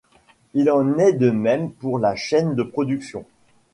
Il en est de même pour la chaîne de production.